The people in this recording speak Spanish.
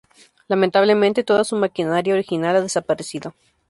Lamentablemente toda su maquinaria original ha desaparecido.